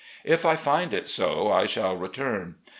If I find it so, I shall return.